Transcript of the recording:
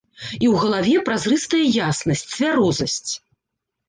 І ў галаве празрыстая яснасць, цвярозасць.